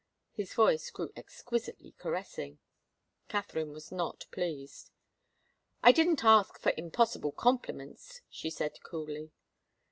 His voice grew exquisitely caressing. Katharine was not pleased. "I didn't ask for impossible compliments," she said coolly.